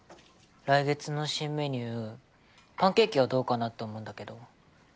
来月の新メニューパンケーキはどうかなと思うんだけど。